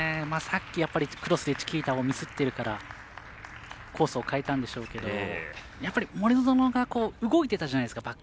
さっき、クロスでチキータをミスってるからコースを変えたんでしょうけどやっぱり森薗が動いてたじゃないですか。